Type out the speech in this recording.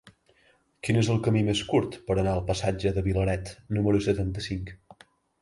Quin és el camí més curt per anar al passatge de Vilaret número setanta-cinc?